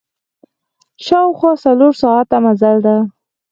شاوخوا څلور ساعته مزل ده.